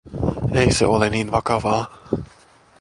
Ei se ole niin vakavaa.